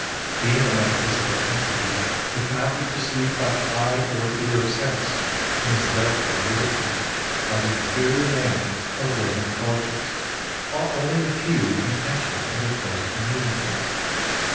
Being a metaphysical entity, it cannot be perceived by the eye or ear of sense, and is therefore ridiculed by the inferior man of little intelligence, while only the few can enter into close communion with it.